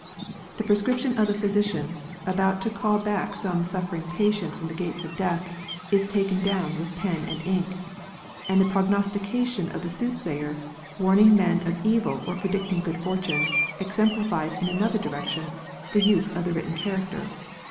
The prescription of the physician, about to call back some suffering patient from the gates of death, is taken down with pen and ink; and the prognostication of the sooth sayer, warning men of evil or predicting good fortune, exemplifies in another direction the use of the written character.